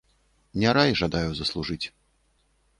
Не рай жадаю заслужыць.